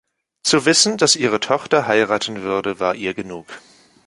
Zu wissen, dass ihre Tochter heiraten würde, war ihr genug.